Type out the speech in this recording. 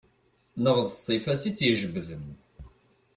Neɣ d ssifa-s i tt-id-ijebden.